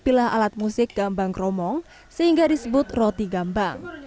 pilihlah alat musik gambang kromong sehingga disebut roti gambang